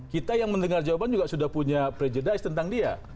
kita yang mendengar jawaban juga sudah punya prejudice tentang dia